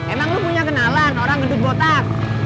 emang lo punya kenalan orang gede botak